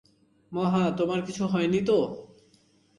মহা, তোমার কিছু হয়নি তো?